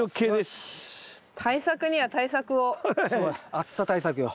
暑さ対策よ。